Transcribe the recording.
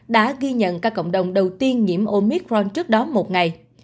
đã ghi nhận cả cộng đồng đầu tiên nhiễm omicron trước đó một ngày